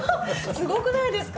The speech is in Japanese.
すごくないですか？